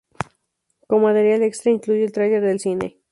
Como material extra incluye el "trailer del cine".